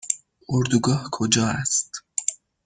اردوگاه کجا است؟